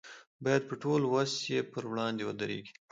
باید په ټول وس یې پر وړاندې ودرېږي.